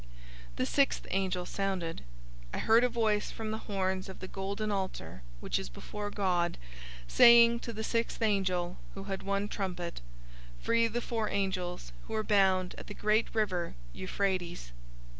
009:013 The sixth angel sounded. I heard a voice from the horns of the golden altar which is before God, 009:014 saying to the sixth angel who had one trumpet, "Free the four angels who are bound at the great river Euphrates!"